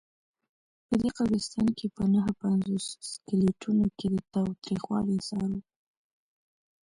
په دې قبرستان کې په نههپنځوس سکلیټونو کې د تاوتریخوالي آثار وو.